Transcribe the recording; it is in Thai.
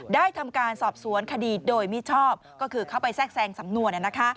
ได้ทำการสอบสวนคดีโดยมิชอบก็คือเข้าไปแทรกแทรงสำนวน